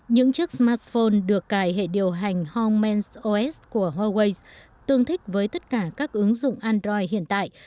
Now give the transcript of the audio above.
những chiếc smartphone được cài hệ điều hành homes os của huawei tương thích với tất cả các ứng dụng android hiện tại